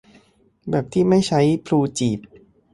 แบบที่ไม่ใช้พลูจีบ